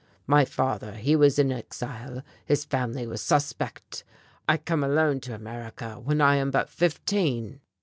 "My father he was in exile. His family was suspect. I come alone to America when I am but fifteen."